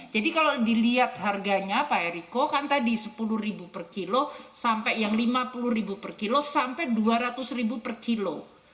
jadi kalau dilihat harganya pak eriko kan tadi rp sepuluh per kilo sampai yang rp lima puluh per kilo sampai rp dua ratus per kilo